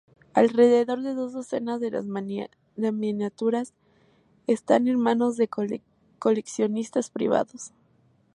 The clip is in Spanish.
Alrededor de dos docenas de las miniaturas están en manos de coleccionistas privados.